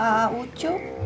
kenalnya sama a'a ucuk